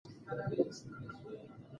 ایا ته غواړې چې په دې پروژه کې کار وکړې؟